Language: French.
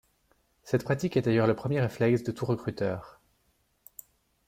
Cette pratique est d’ailleurs le premier réflexe de tout recruteur.